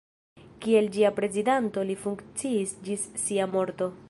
Kiel ĝia prezidanto li funkciis ĝis sia morto.